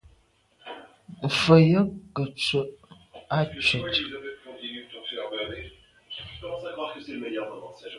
Mfen yag ke ntswe à ntshwèt.